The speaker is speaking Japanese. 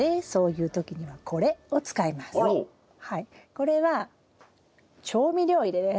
これは調味料入れです。